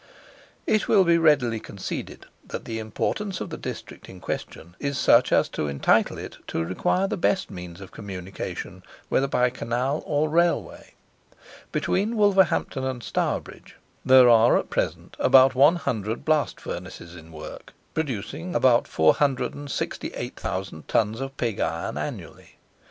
It will be readily conceded that the importance of the district in question is such as to entitle it to require the best means of communication, whether by Canal or Railway. Between Wolverhampton and Stourbridge there are at present about 100 blast furnaces in work, producing about 468,000 tons of pig iron annually.